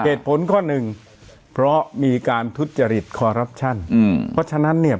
เหตุผลข้อหนึ่งเพราะมีการทุจริตคอรัปชั่นอืมเพราะฉะนั้นเนี่ย